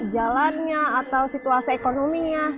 jalannya atau situasi ekonominya